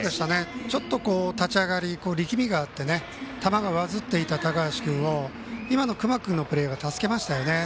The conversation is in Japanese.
ちょっと立ち上がり力みがあって球が上ずっていた高橋君を今の隈君のプレーが助けましたね。